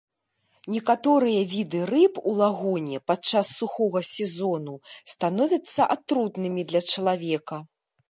Некаторыя віды рыб у лагуне падчас сухога сезону становяцца атрутнымі для чалавека.